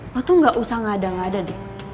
lo tuh gak usah ngada ngada deh